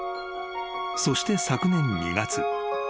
［そして昨年２月］